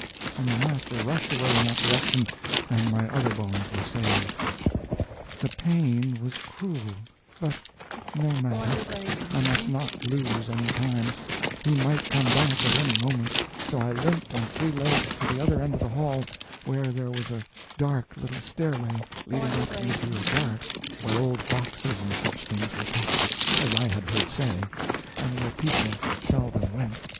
and the master rushed away in that direction, and my other bones were saved. The pain was cruel, but, no matter, I must not lose any time; he might come back at any moment; so I limped on three legs to the other end of the hall, where there was a dark little stairway leading up into a garret where old boxes and such things were kept, as I had heard say, and where people seldom went.